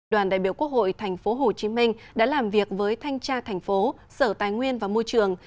đoàn đại biểu quốc hội tp hcm đã làm việc với thanh tra thành phố sở tài nguyên và môi trường